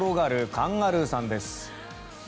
カンガルーさんです。